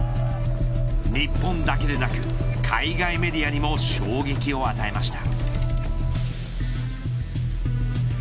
日本だけでなく海外メディアにも衝撃を与えました。